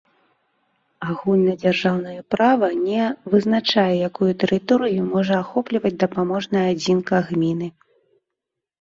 Агульнадзяржаўнае права не вызначае, якую тэрыторыю можа ахопліваць дапаможная адзінка гміны.